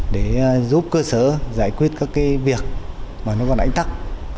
để giúp cơ sở giải quyết các cái việc mà nó còn ách tắc